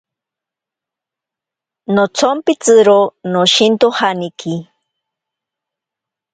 Notsompitziro noshintojaniki.